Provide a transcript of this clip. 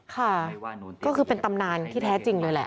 ค่ะก็คือเป็นตำนานที่แท้จริงเลยแหละ